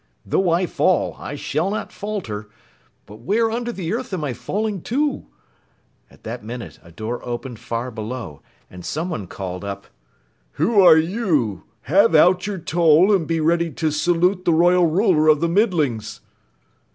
"Though I fall, I shall not falter. But where under the earth am I falling to?" At that minute, a door opened far below, and someone called up: "Who are you? Have out your toll and be ready to salute the Royal Ruler of the Middlings!"